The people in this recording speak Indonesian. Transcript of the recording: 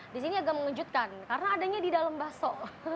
di sini agak mengejutkan karena adanya di dalam bakso